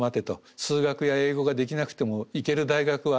数学や英語ができなくても行ける大学はあるぞと。